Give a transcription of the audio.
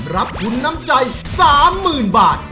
รับทุนน้ำใจ๓๐๐๐บาท